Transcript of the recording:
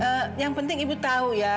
ya yang penting ibu tahu ya